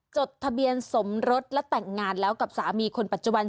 จดทะเบียนสมรสและแต่งงานแล้วกับสามีคนปัจจุบัน